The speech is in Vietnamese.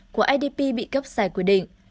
của idp bị cấp sai quy định